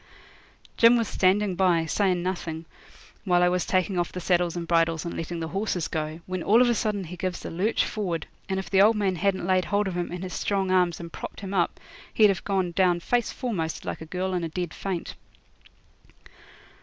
Jim was standing by, sayin' nothing, while I was taking off the saddles and bridles and letting the horses go, when all of a sudden he gives a lurch forward, and if the old man hadn't laid hold of him in his strong arms and propped him up he'd have gone down face foremost like a girl in a dead faint.